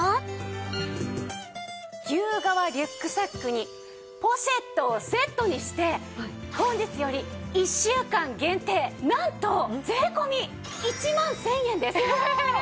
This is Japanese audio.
牛革リュックサックにポシェットをセットにして本日より１週間限定なんと税込１万１０００円です。え！？